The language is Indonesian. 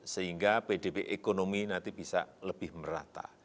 sehingga pdb ekonomi nanti bisa lebih merata